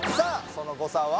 その誤差は？